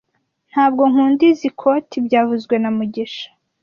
Ntabwo nkunda izoi koti byavuzwe na mugisha